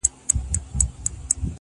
ما ستا په شربتي سونډو خمار مات کړی دی~